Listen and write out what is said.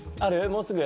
もうすぐ？